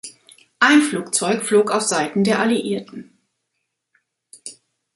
Ein Flugzeug flog auf Seiten der Alliierten.